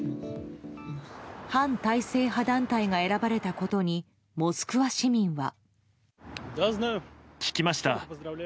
反体制派団体が選ばれたことにモスクワ市民は。